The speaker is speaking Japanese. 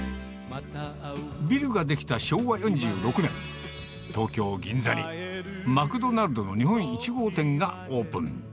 ビルが出来た昭和４６年、東京・銀座に、マクドナルドの日本１号店がオープン。